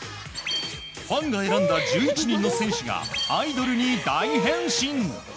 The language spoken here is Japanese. ファンが選んだ１１人の選手がアイドルに大変身。